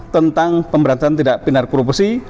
tentang pemberantasan tindak pidana korupsi